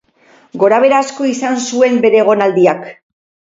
Gora-behera asko izan zuen bere egonaldiak.